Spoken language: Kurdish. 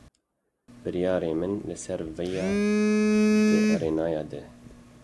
Biryara min li ser vêya di erênayê de ye.